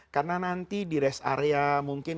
karena nanti di rest area mungkin